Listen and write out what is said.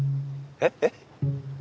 えっえっ？